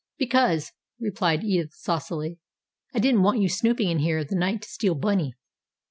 "Because," replied Edith saucily, "I didn't want you snooping in here in the night to steal bunny."